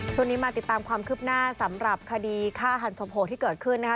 ช่วงนี้มาติดตามความคืบหน้าสำหรับคดีฆ่าหันศพโหที่เกิดขึ้นนะคะ